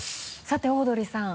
さてオードリーさん。